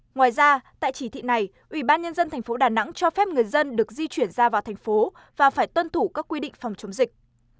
ngoài ra tại chỉ thị này ủy ban nhân dân thành phố đà nẵng cho phép người dân được di chuyển ra vào thành phố và phải tuân thủ các quy định phòng chống dịch